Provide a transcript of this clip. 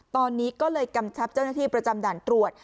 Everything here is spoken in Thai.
ตอนนี้ก็เลยกำชับเจ้าหน้าที่ประจำด่านตรวจ